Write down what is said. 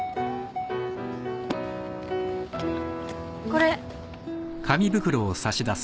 これ。